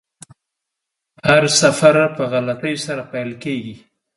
هر سفر په غلطۍ سره پیل کیږي.